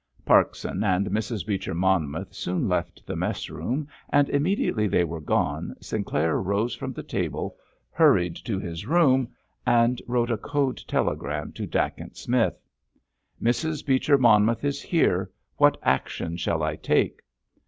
Parkson and Mrs. Beecher Monmouth soon left the mess room, and immediately they were gone Sinclair rose from the table, hurried to his room, and wrote a code telegram to Dacent Smith. _Mrs. Beecher Monmouth is here. What action shall I take?